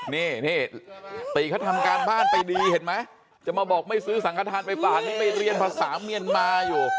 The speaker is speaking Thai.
นี่ติเขาทำการบ้านไปดีเห็นไหมจะมาบอกไม่ซื้อสังขทานไปฝ่านี่ไปเรียนภาษาเมียนมาอยู่